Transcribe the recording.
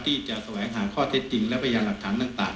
ที่จะแสวงหาข้อเท็จจีนและประยาศหลักฐานต่าง